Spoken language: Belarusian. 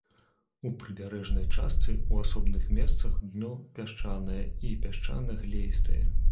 У прыбярэжнай частцы ў асобных месцах дно пясчанае і пясчана-глеістае.